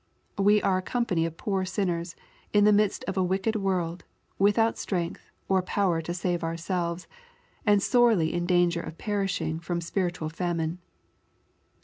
We are a company of poor sinners, in the midst of a wicked world, without strength, or power to save ourselves, and sorely in dan ger of perishing from spiritual famine.